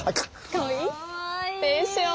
かわいい！でしょう？